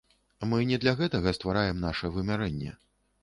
Мы не для гэтага ствараем наша вымярэнне.